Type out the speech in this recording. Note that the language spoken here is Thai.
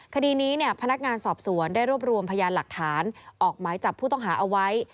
คดีนี้พนักงานสอบสวนได้รวบรวมพยานหลักฐานออกหมายจับผู้ต้องหาเอาไว้